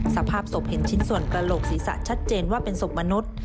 สภาพศพเห็นชิ้นส่วนกระโหลกศีรษะชัดเจนว่าเป็นศพมนุษย์